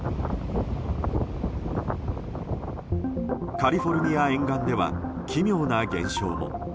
カリフォルニア沿岸では奇妙な現象も。